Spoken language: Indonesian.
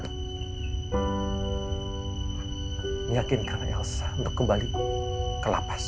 meyakinkan elsa untuk kembali ke lapas